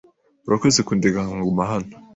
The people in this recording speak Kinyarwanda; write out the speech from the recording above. Urakoze kundeka nkaguma hano.